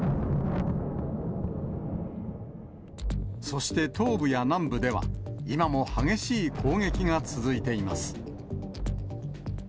そして東部や南部では、今も激しい攻撃が続いています。